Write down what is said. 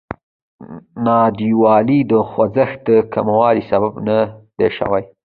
ناانډولي د خوځښت د کموالي سبب نه ده شوې.